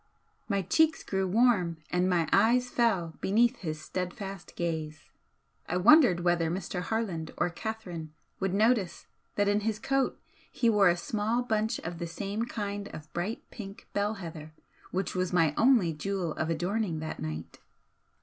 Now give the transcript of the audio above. My cheeks grew warm and my eyes fell beneath his steadfast gaze. I wondered whether Mr. Harland or Catherine would notice that in his coat he wore a small bunch of the same kind of bright pink bell heather which was my only 'jewel of adorning' that night.